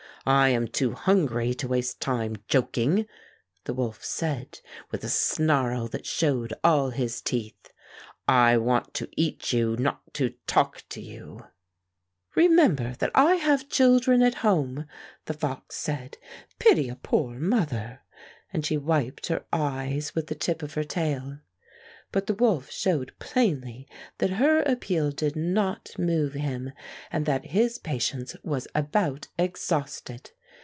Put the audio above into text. "I am too hungry to waste time joking," the wolf said with a snarl that showed all his teeth. " I want to eat you — not to talk to you." 172 Fairy Tale Foxes "Remember that I have children at home," the fox said. "Pity a poor mother." And she wiped her eyes with the tip of her tail. But the wolf showed plainly that her ap peal did not move him, and that his patience was about exhausted.